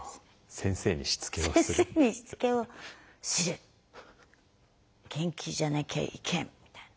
先生にしつけをする元気じゃなきゃいけんみたいな。